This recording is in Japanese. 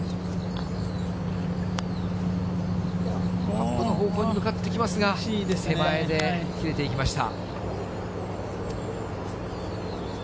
カップの方向に向かっていきますが、手前で切れていきました。